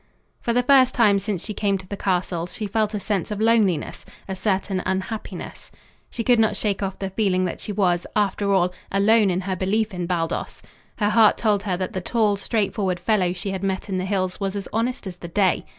For the first time since she came to the castle, she felt a sense of loneliness, a certain unhappiness. She could not shake off the feeling that she was, after all, alone in her belief in Baldos. Her heart told her that the tall, straightforward fellow she had met in the hills was as honest as the day.